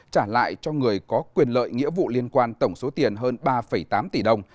trả lại cho người có quyền lợi nghĩa vụ liên quan tổng số tiền hơn ba tám tỷ đồng